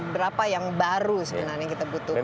berapa yang baru sebenarnya yang kita butuhkan